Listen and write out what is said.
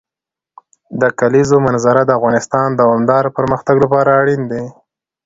د کلیزو منظره د افغانستان د دوامداره پرمختګ لپاره اړین دي.